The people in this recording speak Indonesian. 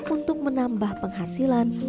untuk menambah penghasilan